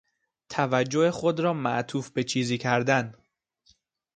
توجه خود را معطوف به چیزی کردن